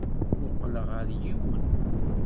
Mmuqqleɣ ɣer yiwen.